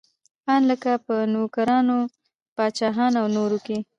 ان لکه په نوکران، پاچاهان او نور کې.